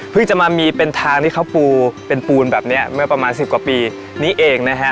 จะมามีเป็นทางที่เขาปูเป็นปูนแบบนี้เมื่อประมาณสิบกว่าปีนี้เองนะฮะ